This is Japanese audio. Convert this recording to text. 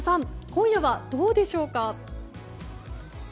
今夜はどうでしょうか。